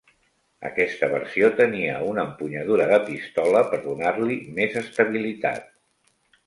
Aquesta versió tenia una empunyadura de pistola per donar-li més estabilitat.